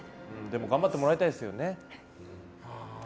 頑張ってもらいたいですよね。